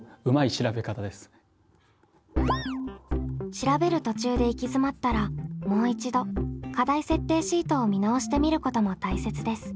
調べる途中で行き詰まったらもう一度課題設定シートを見直してみることも大切です。